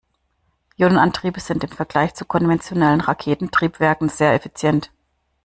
Ionenantriebe sind im Vergleich zu konventionellen Raketentriebwerken sehr effizient.